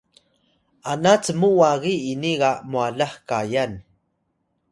ana cmu wagi ini ga mwalax kayan